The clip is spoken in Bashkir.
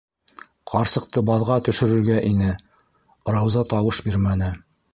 Ҡарсыҡты баҙға төшөрөргә ине - Рауза тауыш бирмәне.